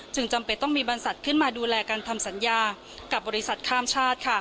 จำเป็นต้องมีบรรษัตริย์ขึ้นมาดูแลการทำสัญญากับบริษัทข้ามชาติ